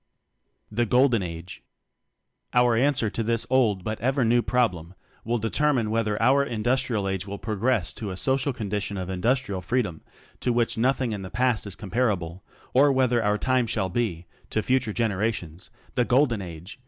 The Golden Age? Our answer to this old but ever new problem will determine whether our industrial age will progress to a so cial condition of individual freedom to which nothing in the past is compar able, or whether our time shall be, to future generations, the Golden Age!